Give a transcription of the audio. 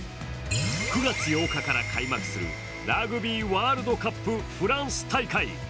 ９月８日から開幕するラグビーワールドカップ・フランス大会。